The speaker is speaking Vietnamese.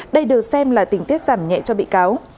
đây được xem là tình tiết giảm nhẹ cho bị cáo